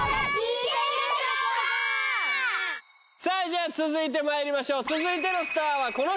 じゃあ続いてまいりましょう続いてのスターはこの人。